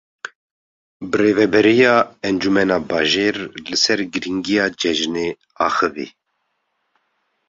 Birêveberiya Encumena Bajêr li ser girîngiya cejinê axivî.